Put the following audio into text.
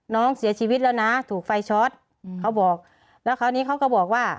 น้องเสียชีวิตแล้วนะถูกไฟช็อตเขาบอกแล้วคราวนี้เขาก็บอกว่า